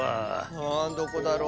あどこだろう？